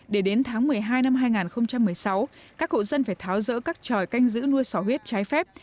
để đến tháng một mươi hai năm hai nghìn một mươi sáu các hộ dân phải tháo rỡ các tròi canh giữ nuôi sỏ huyết trái phép